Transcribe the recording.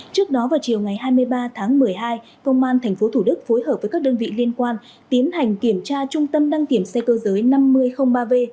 trước đó vào chiều ngày hai mươi ba tháng một mươi hai công an tp thủ đức phối hợp với các đơn vị liên quan tiến hành kiểm tra trung tâm đăng kiểm xe cơ giới năm mươi ba v